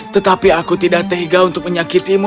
tetapi aku tidak tega untuk menyakitimu